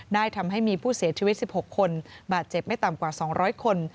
ทำให้มีผู้เสียชีวิต๑๖คนบาดเจ็บไม่ต่ำกว่า๒๐๐คน